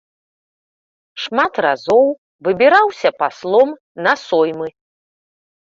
Шмат разоў выбіраўся паслом на соймы.